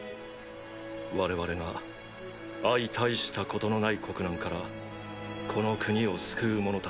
我々が相対したことの無い国難からこの国を救う者達。